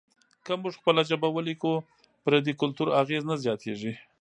که موږ خپله ژبه ولیکو، پردي کلتور اغېز نه زیاتیږي.